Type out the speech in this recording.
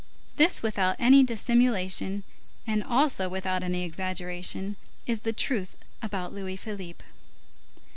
This, without any dissimulation, and also without any exaggeration, is the truth about Louis Philippe.